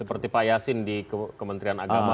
seperti pak yasin di kementerian agama